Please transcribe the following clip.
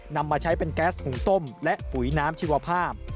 นำมาใช้เป็นแก๊สหุงส้มและปุ๋ยน้ำชีวภาพ